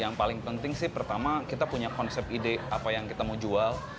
yang paling penting sih pertama kita punya konsep ide apa yang kita mau jual